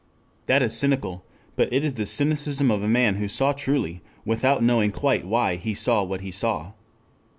That is cynical. But it is the cynicism of a man who saw truly without knowing quite why he saw what he saw.